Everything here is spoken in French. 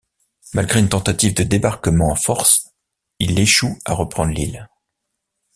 Malgré une tentative de débarquement en force il échoue à reprendre l'île.